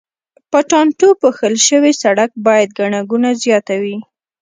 په ټانټو پوښل شوي سړک باندې ګڼه ګوڼه زیاته وه.